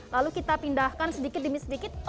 lalu kita pindahkan sedikit demi sedikit